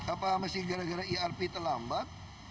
apa mesti gara gara irp terlambat